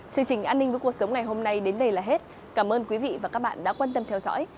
chương trình an ninh với cuộc sống ngày hôm nay đến đây là hết cảm ơn quý vị và các bạn đã quan tâm theo dõi